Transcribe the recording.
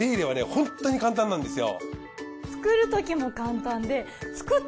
ホントに簡単なんですよ。